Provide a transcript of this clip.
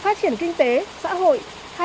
phát triển kinh tế xã hội